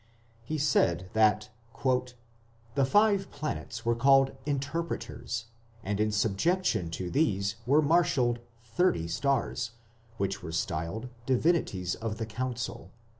He said that "the five planets were called 'Interpreters'; and in subjection to these were marshalled 'Thirty Stars', which were styled 'Divinities of the Council'....